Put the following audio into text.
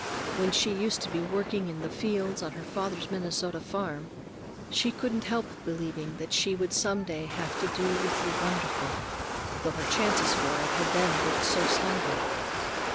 When she used to be working in the fields on her father's Minnesota farm, she couldn't help believing that she would some day have to do with the "wonderful," though her chances for it had then looked so slender.